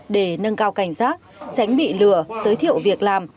để nâng cao cảnh giác tránh bị lừa giới thiệu việc làm